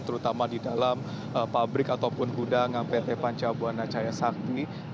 terutama di dalam pabrik ataupun gudang pt panca buana cahaya sakti